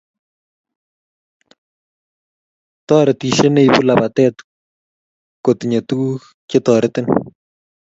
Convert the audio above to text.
Toretishe ne ibuu labatee kotinye tukuk che terotin.